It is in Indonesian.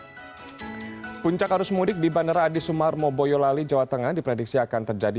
hai puncak arus mudik di bandara adi sumarmo boyolali jawa tengah diprediksi akan terjadi